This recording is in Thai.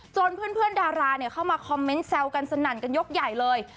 เพื่อนดาราเข้ามาคอมเมนต์แซวกันสนั่นกันยกใหญ่เลย